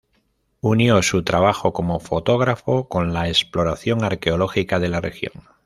Unió su trabajo como fotógrafo con la exploración arqueológica de la región.